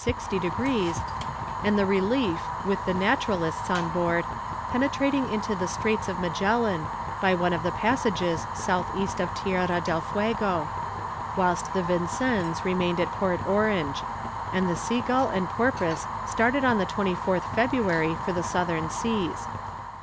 60 degrees, and the Relief, with the naturalists on board, penetrating into the Straits of Magellan, by one of the passages south east of Tierra del Fuego; whilst the Vincennes remained at Port Orange; and the Sea Gull and Porpoise started on the 24th February for the Southern Seas.